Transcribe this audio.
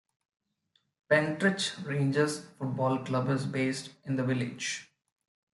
Pentyrch Rangers football club is based in the village.